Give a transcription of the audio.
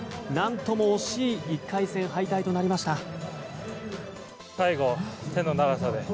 なんとも惜しい１回戦敗退となりました。